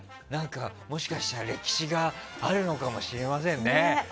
もしかしたら歴史があるのかもしれませんね。